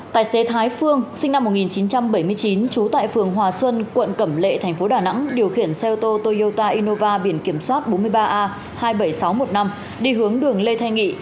tài xế thái phương sinh năm một nghìn chín trăm bảy mươi chín trú tại phường hòa xuân quận cẩm lệ thành phố đà nẵng điều khiển xe ô tô toyota innova biển kiểm soát bốn mươi ba a hai mươi bảy nghìn sáu trăm một mươi năm đi hướng đường lê thanh nghị